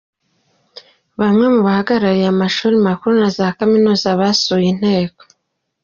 Bamwe mu bahagarariye amashuri makuru na za Kaminuza basuye Inteko.